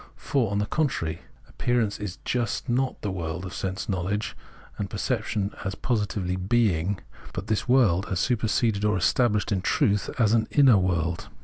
For, on the contrary, appearance is just not the world of sense knowledge and perception as positively being, but this world as superseded or established in truth as an inner world.